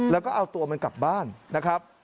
แล้วก็เอาตัวมันกลับบ้านนะครับ